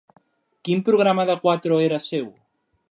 Quin programa de Cuatro era seu?